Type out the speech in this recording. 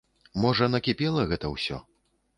Можа, накіпела гэта ўсё.